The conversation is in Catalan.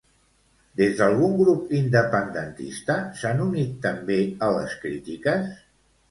Des d'algun grup independentista s'han unit també a les crítiques?